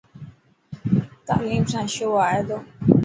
تعليم سان شهو آئي تو.